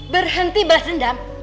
berhenti balas dendam